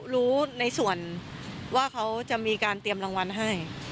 รู้ในส่วนว่าเขาจะมีการเตรียมรางวัลให้